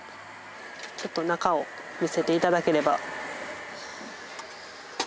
ちょっと中を見せていただければ。